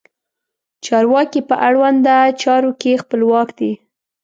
چارواکي په اړونده چارو کې خپلواک دي.